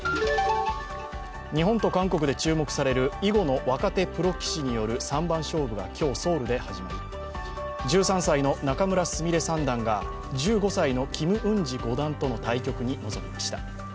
日本と韓国で注目される囲碁の若手プロ棋士による三番勝負が今日、ソウルで始まり１３歳の仲邑菫三段が１５歳のキム・ウンジ五段との対局に臨みました。